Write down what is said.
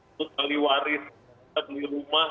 untuk meliwaris atau beli rumah